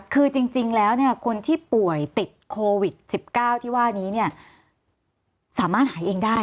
คือจริงแล้วคนที่ป่วยติดโควิด๑๙ที่ว่านี้เนี่ยสามารถหายเองได้